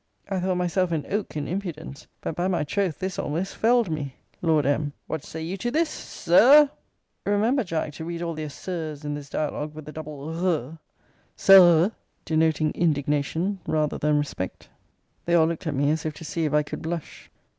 I thought myself an oak in impudence; but, by my troth, this almost felled me. Lord M. What say you to this, SIR R! Remember, Jack, to read all their Sirs in this dialogue with a double rr, Sir r! denoting indignation rather than respect. They all looked at me as if to see if I could blush.